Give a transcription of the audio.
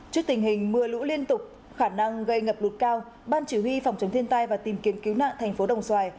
trước tình hình mưa lũ liên tục khả năng gây ngập lụt cao ban chỉ huy phòng chống thiên tai và tìm kiếm cứu nạn thành phố đồng xoài